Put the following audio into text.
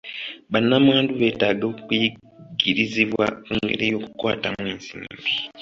Bannamwandu beetaaga okuyigirizibwa ku ngeri y'okukwatamu ensimbi.